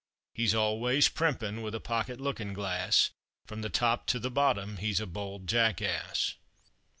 He's always primping with a pocket looking glass, From the top to the bottom he's a bold Jackass.